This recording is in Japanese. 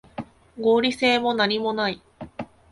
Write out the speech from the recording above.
合理性もなにもない